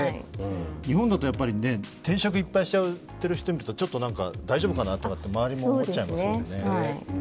日本だと転職いっぱいしちゃってる人を見ると、大丈夫かなと周りも思っちゃいますもんね。